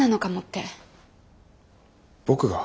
僕が？